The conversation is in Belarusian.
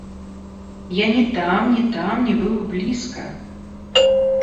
Я ні там, ні там не быў і блізка!